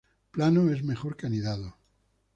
Plano es mejor que anidado.